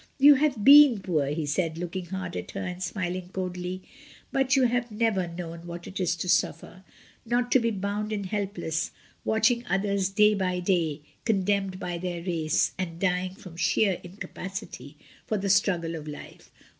"You have been poor," he said, looking hard at her, and smiling coldly; "but you have never known what it is to suffer, not to be bound and helpless watching others day by day, condemned by their race, and dying from sheer incapacity for the struggle of life.